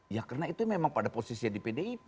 ya karena itu memang pada posisi di pdip